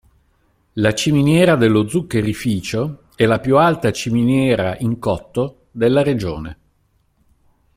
La ciminiera dello zuccherificio è la più alta ciminiera in cotto della regione.